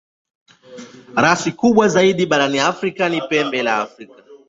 Rasi kubwa barani Afrika ni Pembe la Afrika.